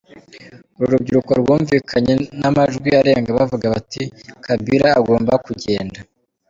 Uru rubyiruko rwumvikanye n’amajwi arenga bavuga bati "Kabila agomba kugenda".